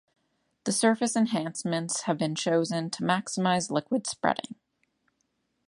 The surface enhancements have been chosen to maximize liquid spreading.